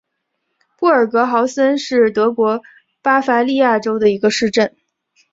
布尔格豪森是德国巴伐利亚州的一个市镇。